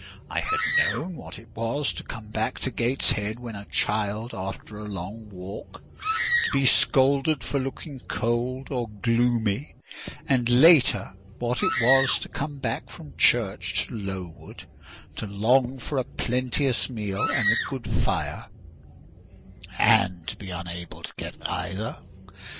I had known what it was to come back to Gateshead when a child after a long walk, to be scolded for looking cold or gloomy; and later, what it was to come back from church to Lowood, to long for a plenteous meal and a good fire, and to be unable to get either.